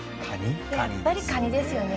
やっぱりカニですよね。